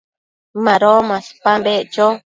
Mado maspan beccho